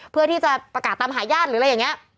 เพื่อที่จะประกาศตามหาญาติหรืออะไรอย่างนี้